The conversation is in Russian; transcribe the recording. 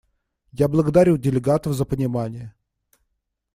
Я благодарю делегатов за понимание.